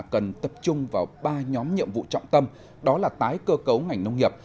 cần tập trung vào ba nhóm nhiệm vụ trọng tâm đó là tái cơ cấu ngành nông nghiệp